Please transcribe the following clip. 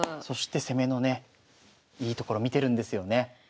そして攻めのねいいところ見てるんですよね。